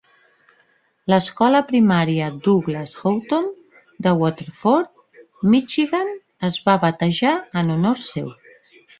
L'escola primària Douglass Houghton de Waterford, Michigan, es va batejar en honor seu.